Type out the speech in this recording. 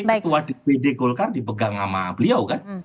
ketua dpd golkar dipegang sama beliau kan